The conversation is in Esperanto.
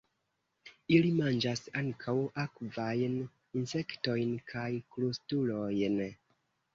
Ili manĝas ankaŭ akvajn insektojn kaj krustulojn.